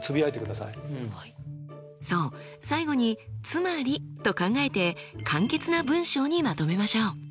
最後に「つまり」と考えて簡潔な文章にまとめましょう。